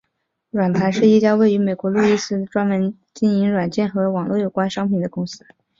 软盘是一家位于美国路易斯安那州的专门经营软件和网络有关商品的公司。